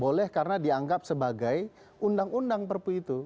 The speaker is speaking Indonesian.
boleh karena dianggap sebagai undang undang perpu itu